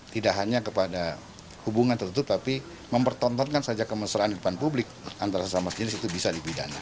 tidak hanya kepada hubungan tertutup tapi mempertontonkan saja kemesraan di depan publik antara sesama jenis itu bisa dipidana